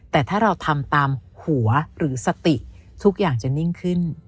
แต่ถ้าเราทำตามหัวหรือสติทุกอย่างจะนิ่งขึ้น